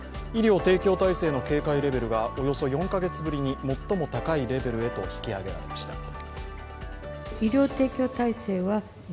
医療提供体制の警戒レベルがおよそ４カ月ぶりに最も高いレベルへと引き上げられました。